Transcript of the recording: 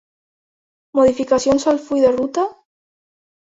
Modificacions al full de ruta?